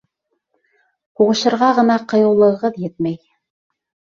Һуғышырға ғына ҡыйыулығығыҙ етмәй.